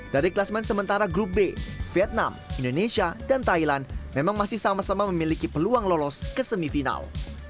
dari kelasmen sementara grup b vietnam indonesia dan thailand memang masih sama sama memiliki peluang lolos ke semifinal